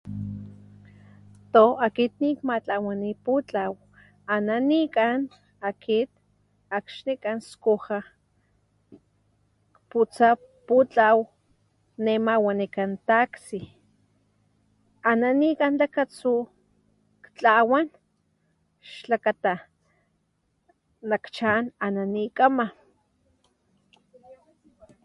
To, akit nikmatlawani putlaw, ana ni kan akit akni kan skuja kputsa putlaw nema wanikan taxi ana ni kan lakatsu ktlawan xlakata nak chan a na ni kgama.